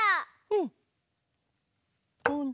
うん。